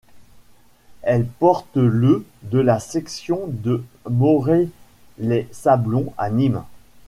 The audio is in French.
Elle porte le de la section de Moret-Les-Sablons à Nîmes.